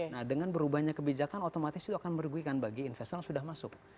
nah dengan berubahnya kebijakan otomatis itu akan merugikan bagi investor yang sudah masuk